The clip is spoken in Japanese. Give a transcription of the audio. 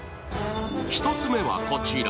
１つ目はこちら。